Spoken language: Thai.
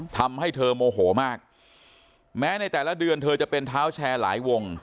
ทำให้เธอโมโหมากแม้ในแต่ละเดือนเธอจะเป็นเท้าแชร์หลายวง